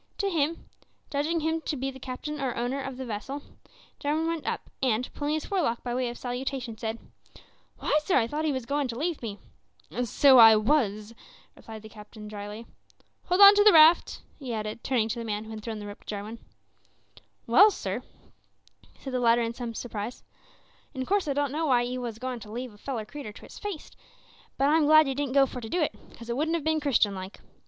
To him, judging him to be the captain or owner of the vessel, Jarwin went up, and, pulling his forelock by way of salutation, said "Why, sir, I thought 'ee was a goin' to leave me!" "So I was," answered the captain, drily. "Hold on to the raft," he added, turning to the man who had thrown the rope to Jarwin. "Well, sir," said the latter in some surprise, "in course I don't know why you wos a goin' to leave a feller creetur to his fate, but I'm glad you didn't go for to do it, 'cos it wouldn't have bin Christian like.